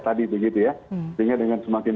tadi begitu ya sehingga dengan semakin